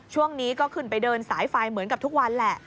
ช่วงนี้ก็ขึ้นไปเดินสายไฟเหมือนกับทุกวันแหละ